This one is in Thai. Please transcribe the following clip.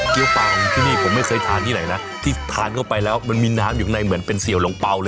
เปล่าของที่นี่ผมไม่เคยทานที่ไหนนะที่ทานเข้าไปแล้วมันมีน้ำอยู่ในเหมือนเป็นเสี่ยวหลงเปล่าเลย